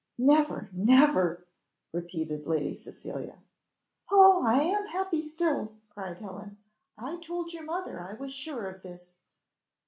"Never, never," repeated Lady Cecilia. "Oh, I am happy still," cried Helen. "I told your mother I was sure of this."